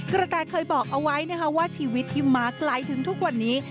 กระแตเคยบอกเอาไว้นะคะว่าชีวิตที่มาไกลถึงทุกวันนี้